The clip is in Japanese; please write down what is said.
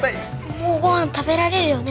もうご飯食べられるよね？